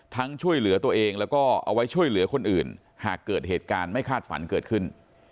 ช่วยเหลือตัวเองแล้วก็เอาไว้ช่วยเหลือคนอื่นหากเกิดเหตุการณ์ไม่คาดฝันเกิดขึ้น